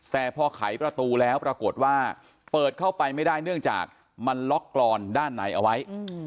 แต่พอไขประตูแล้วปรากฏว่าเปิดเข้าไปไม่ได้เนื่องจากมันล็อกกรอนด้านในเอาไว้